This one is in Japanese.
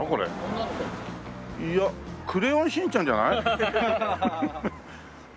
いやクレヨンしんちゃんじゃない？